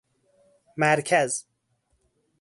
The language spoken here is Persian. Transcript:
مرکز